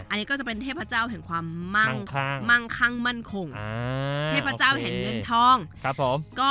อันนี้ก็จะเป็นเทพเจ้าของมั่งคังมั่นข่งเทพเจ้าแห่งเงินทอง